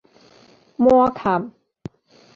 瞞崁